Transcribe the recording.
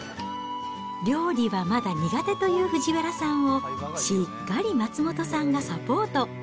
料理はまだ苦手という藤原さんを、しっかり松元さんがサポート。